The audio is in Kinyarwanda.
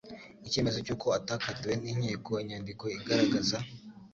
Icyemezo cy'uko atakatiwe n'inkiko, Inyandiko igaragaza